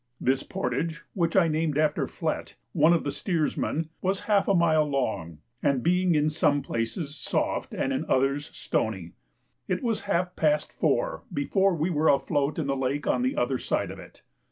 This portage, which I named after Flett, one of the steersmen, was half a mile long; and being in some places soft and in others stony, it was half past four before we were afloat in the lake on the other side of it.